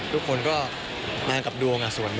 ทุกคนก็มากับดวง